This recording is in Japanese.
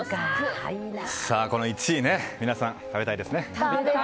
この１位、皆さん食べたいですね？